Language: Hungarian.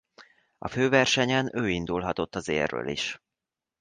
A főversenyen ő indulhatott az élről is.